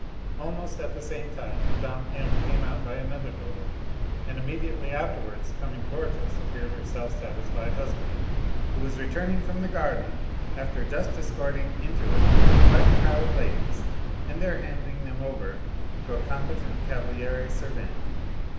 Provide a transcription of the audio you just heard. Almost at the same time Mme. M. came out by another door, and immediately afterwards coming towards us appeared her self satisfied husband, who was returning from the garden, after juat escorting into it quite a crowd of ladies and there handing them over to a competent cavaliere servente.